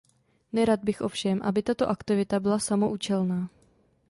Nerad bych ovšem, aby tato aktivita byla samoúčelná.